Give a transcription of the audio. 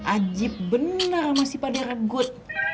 ajib benar masih pada regut